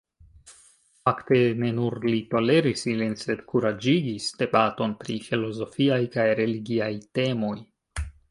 Fakte, ne nur li toleris ilin, sed kuraĝigis debaton pri filozofiaj kaj religiaj temoj.